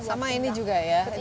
sama ini juga ya